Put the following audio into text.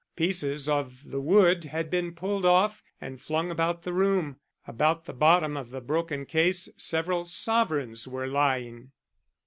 Pieces of the wood had been pulled off and flung about the room. About the bottom of the broken case several sovereigns were lying.